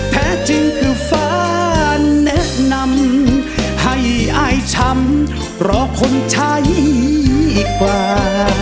แท้จริงคือฟ้าแนะนำให้อายช้ำรอคนใช้กว่า